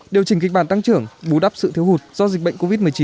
điều chỉnh kịch bản tăng trưởng bú đắp sự thiếu hụt do dịch bệnh covid một mươi chín